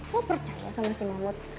lo percaya sama si mamut